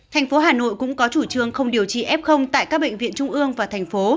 thành phố hà nội cũng có chủ trương không điều trị f tại các bệnh viện trung ương và thành phố